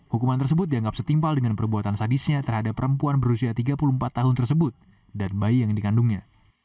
hukuman tersebut dianggap setimpal dengan perbuatan sadisnya terhadap perempuan berusia tiga puluh empat tahun tersebut dan bayi yang dikandungnya